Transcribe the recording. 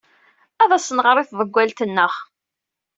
Ad as-nɣer i tḍewwalt-nneɣ.